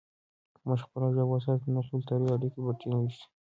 که موږ خپله ژبه وساتو، نو کلتوري اړیکې به ټینګې شي.